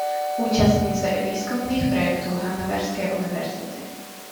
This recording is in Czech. Účastní se i výzkumných projektů hannoverské univerzity.